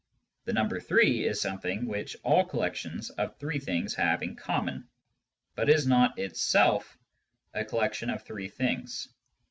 The number 3 is something which all collec tions of three things have in common, but is not itself a collection of three things.